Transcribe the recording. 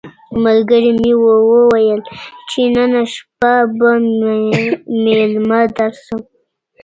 ملګري مي وویل چي نن شپه به مېلمه درسم.